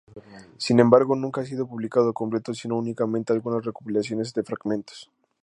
Sin embargo, nunca ha sido publicado completo sino únicamente algunas recopilaciones de fragmentos.